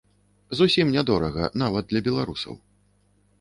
Зусім нядорага, нават для беларусаў.